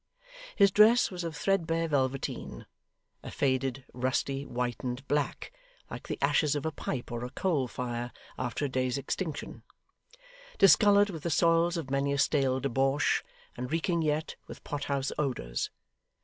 His dress was of threadbare velveteen a faded, rusty, whitened black, like the ashes of a pipe or a coal fire after a day's extinction; discoloured with the soils of many a stale debauch, and reeking yet with pot house odours.